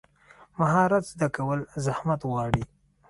مهارت زده کول زحمت غواړي.